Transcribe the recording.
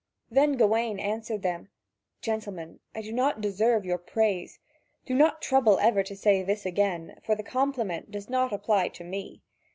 Then Gawain answered them: "Gentlemen, I do not deserve your praise. Do not trouble ever to say this again, for the compliment does not apply to me.